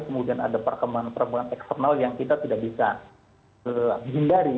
kemudian ada perkembangan perkembangan eksternal yang kita tidak bisa hindari